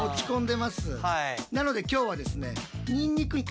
なので今日はですね